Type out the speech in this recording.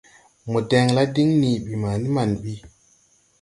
Mo dɛŋla diŋ nii ɓi ma ni man ɓi.